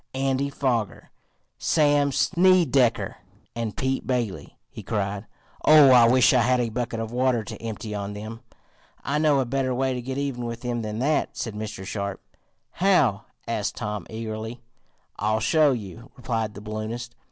"Andy Foger, Sam Snedecker and Pete Bailey!" he cried. "Oh, I wish I had a bucket of water to empty on them." "I know a better way to get even with them than that," said Mr. Sharp. "How?" asked Tom eagerly. "I'll show you," replied the balloonist.